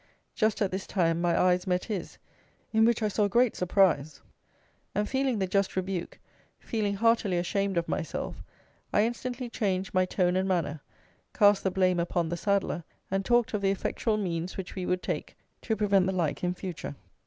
Just at this time my eyes met his, in which I saw great surprise; and, feeling the just rebuke, feeling heartily ashamed of myself, I instantly changed my tone and manner, cast the blame upon the saddler, and talked of the effectual means which we would take to prevent the like in future.